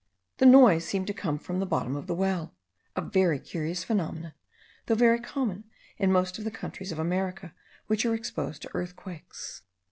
The noise seemed to come from the bottom of the well; a very curious phenomenon, though very common in most of the countries of America which are exposed to earthquakes.